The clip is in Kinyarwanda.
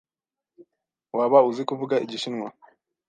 Waba uzi kuvuga Igishinwa?